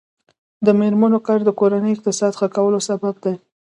د میرمنو کار د کورنۍ اقتصاد ښه کولو سبب دی.